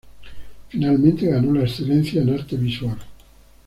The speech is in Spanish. Finalmente ganó la excelencia en arte visual.